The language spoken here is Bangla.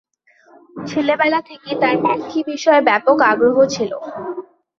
ছেলেবেলা থেকেই তার পাখি বিষয়ে ব্যাপক আগ্রহ ছিল।